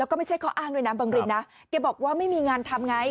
แล้วก็ไม่ใช่ข้ออ้างด้วยนะบังรินนะแกบอกว่าไม่มีงานทำไง